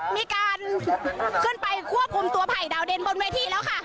มีการขึ้นไปควบคุมตัวไผ่ดาวเด่นบนเวทีแล้วค่ะ